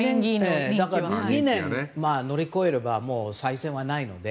２年、乗り越えれば再選はないので。